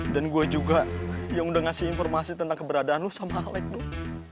dan gue juga yang udah ngasih informasi tentang keberadaan lo sama alec dok